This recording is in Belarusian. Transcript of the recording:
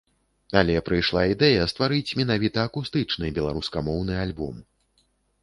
Але прыйшла ідэя стварыць менавіта акустычны беларускамоўны альбом.